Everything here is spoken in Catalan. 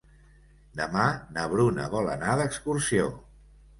Demà na Bruna vol anar d'excursió.